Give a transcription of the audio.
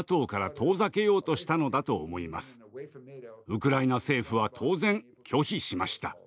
ウクライナ政府は当然拒否しました。